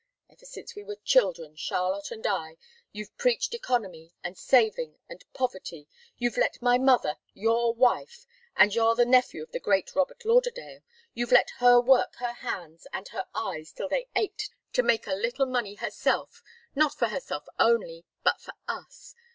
Ever since we were children, Charlotte and I, you've preached economy and saving and poverty you've let my mother your wife and you're the nephew of the great Robert Lauderdale you've let her work her hands and her eyes till they ached to make a little money herself not for herself only, but for us.